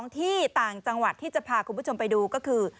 ที่ต่างจังหวัดที่จะพาคุณผู้ชมไปดูก็คือ